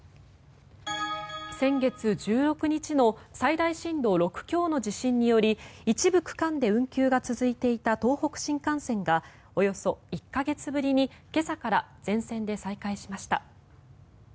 先月１６日の最大震度６強の地震により一部区間で運休が続いていた東北新幹線がおよそ１か月ぶりに今朝から全線で再開しました。